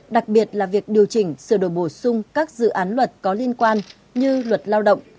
đặc biệt là việc điều chỉnh sửa đổi bổ sung các dự án luật có liên quan như luật lao động